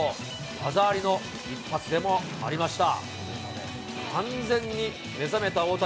技ありの一発でもありました。